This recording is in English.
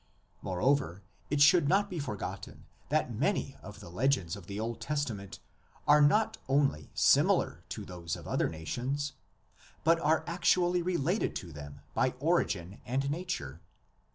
Moreover, it should not be forgotten that many of the legends of the Old Testament are not only similar to those of other nations, but are actually related to them by origin and nature.